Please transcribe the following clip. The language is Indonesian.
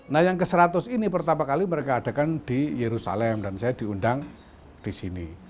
nah yang ke seratus ini pertama kali mereka adakan di yerusalem dan saya diundang di sini